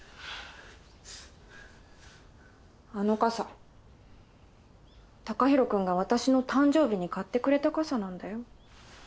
あの傘たかひろ君が私の誕生日に買ってくれた傘なんだよ。